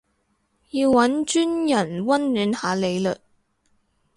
要搵專人溫暖下你嘞